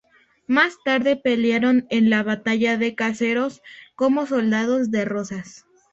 Más tarde pelearon en la batalla de Caseros como soldados de Rosas.